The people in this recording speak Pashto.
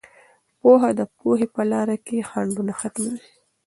پوهه د پوهې په لاره کې خنډونه ختموي.